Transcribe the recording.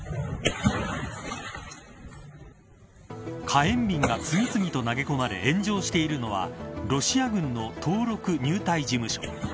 火炎瓶が次々と投げ込まれ炎上しているのはロシア軍の登録・入隊事務所。